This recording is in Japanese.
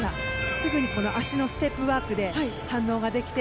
すぐに足のステップワークで反応ができて。